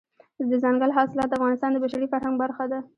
دځنګل حاصلات د افغانستان د بشري فرهنګ برخه ده.